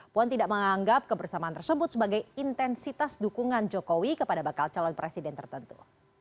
puan tidak menganggap kebersamaan tersebut sebagai intensitas dukungan jokowi kepada bakal calon presiden tertentu